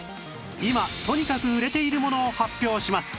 今とにかく売れているものを発表します